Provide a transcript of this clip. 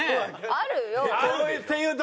あるよ！